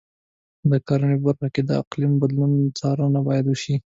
د کرنې په برخه کې د اقلیم بدلونونو څارنه باید وشي.